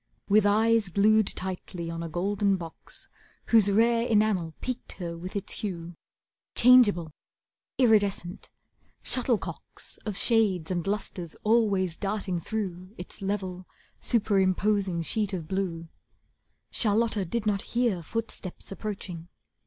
With eyes glued tightly on a golden box, Whose rare enamel piqued her with its hue, Changeable, iridescent, shuttlecocks Of shades and lustres always darting through Its level, superimposing sheet of blue, Charlotta did not hear footsteps approaching.